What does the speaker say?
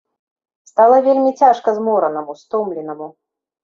Стала вельмі цяжка зморанаму, стомленаму.